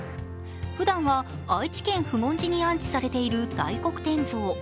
ふだんは愛知県・普門寺に安置されている大黒天像。